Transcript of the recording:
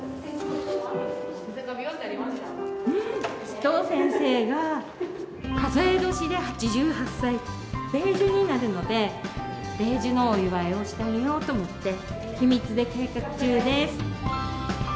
須藤先生が数え年で８８歳米寿になるので米寿のお祝いをしてあげようと思って秘密で計画中です。